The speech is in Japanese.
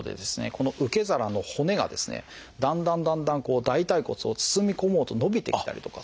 この受け皿の骨がですねだんだんだんだん大腿骨を包み込もうと伸びてきたりとか。